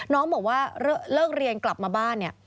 น้องบอกว่าเลิกเรียนกลับมาบ้านเนี่ย